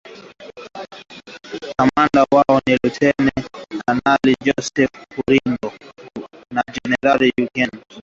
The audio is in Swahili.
Kamanda wao ni Luteni Kanali Joseph Rurindo na Generali Eugene Nkubito, kutoka kambi ya kijeshi ya Kibungo nchini Rwanda